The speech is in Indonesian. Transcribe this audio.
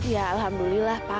ya alhamdulillah pak